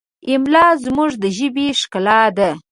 املا زموږ د ژبې ښکلا ده.